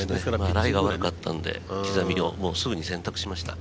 ライが悪かったので刻みをすぐに選択しました。